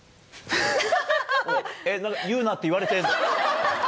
えっ、言うなって言われてるの？